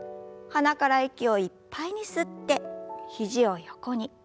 鼻から息をいっぱいに吸って肘を横に。